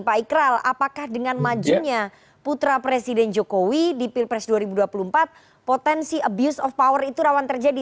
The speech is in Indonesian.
pak ikral apakah dengan majunya putra presiden jokowi di pilpres dua ribu dua puluh empat potensi abuse of power itu rawan terjadi